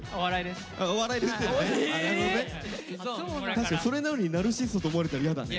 確かにそれなのにナルシストと思われたら嫌だね。